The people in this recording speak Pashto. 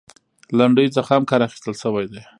لنډيو څخه هم کار اخيستل شوى دى .